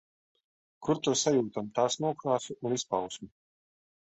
Kur to sajūtam, tās nokrāsu un izpausmi.